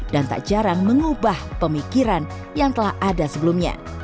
dan tak jarang mengubah pemikiran yang telah ada sebelumnya